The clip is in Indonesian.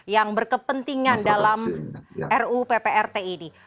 yang berkepentingan dalam ru pprt ini